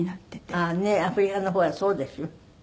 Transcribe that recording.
ああねえアフリカの方はそうですよ。